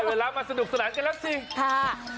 ได้เวลามาสนุกสนานกันแหละสิ